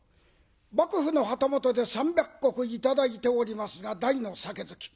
幕府の旗本で３００石頂いておりますが大の酒好き。